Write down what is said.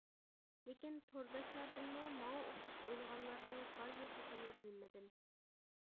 لېكىن تورداشلاردىنمۇ ماڭا ئوخشاش ئويلىغانلارنىڭ بار يوقلۇقىنى بىلمىدىم!